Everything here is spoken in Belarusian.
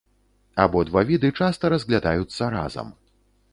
Абодва віды часта разглядаюцца разам.